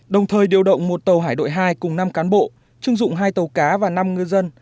đồng thời điều động một tàu hải đội hai cùng năm cán bộ chưng dụng hai tàu cá và năm ngư dân